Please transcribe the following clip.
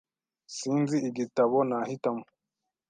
Sinzi igitabo nahitamo .